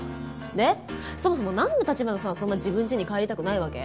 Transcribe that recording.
でそもそもなんで城華さんはそんなに自分んちに帰りたくないわけ？